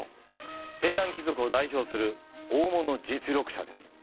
平安貴族を代表する大物実力者です。